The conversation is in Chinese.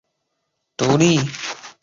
由独立电视公司所有。